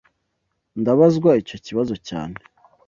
Ndabazwa icyo kibazo cyane